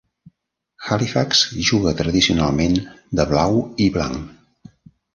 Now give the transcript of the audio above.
Halifax juga tradicionalment de blau i blanc.